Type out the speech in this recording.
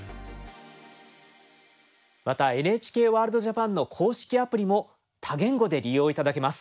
また「ＮＨＫワールドＪＡＰＡＮ」の公式アプリも多言語で利用頂けます。